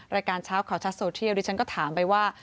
รายการเช้าข่าวชัดโซเทียลดิฉันก็ถามไปว่า